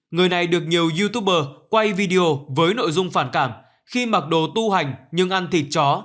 người này được nhiều youtuber quay video với nội dung phản cảm khi mặc đồ tu hành nhưng ăn thịt chó